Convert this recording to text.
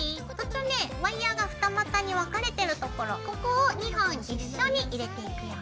ワイヤーが二股に分かれてるところここを２本一緒に入れていくよ。